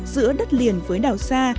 giữa đất liền với đảo xa